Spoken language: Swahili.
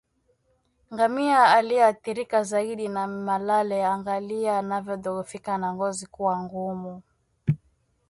Ngamia aliyeathirika zaidi na malale angalia alivyodhoofika na ngozi kuwa ngumu